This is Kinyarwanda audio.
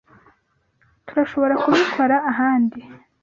Turashoborakubikora ahandi?